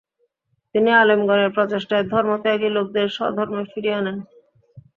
তিনি আলেমগণের প্রচেষ্টায় ধর্মত্যাগী লোকদের স্বধর্মে ফিরিয়ে আনেন।